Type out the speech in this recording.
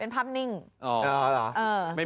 เป็นภาพนิ่งอ๋อเหรอ